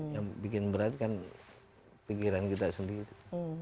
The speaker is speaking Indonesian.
yang bikin berat kan pikiran kita sendiri